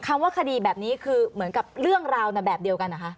คำว่าคดีแบบนี้คือเหมือนกับเรื่องราวแบบเดียวกันเหรอคะ